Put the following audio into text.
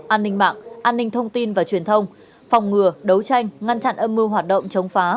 an ninh mạng an ninh thông tin và truyền thông phòng ngừa đấu tranh ngăn chặn âm mưu hoạt động chống phá